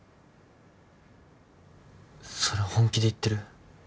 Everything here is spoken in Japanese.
それ本気で言ってる？